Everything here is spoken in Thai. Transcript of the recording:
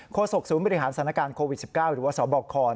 ศกศูนย์บริหารสถานการณ์โควิด๑๙หรือว่าสบค